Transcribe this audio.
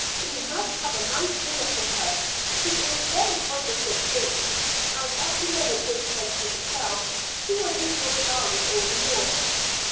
We must have a nice dinner for her. She is very fond of good things, and as she never gives them to herself, she will enjoy ours all the more."